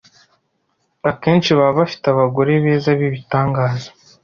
akenshi baba bafite abagore beza b’ibitangaza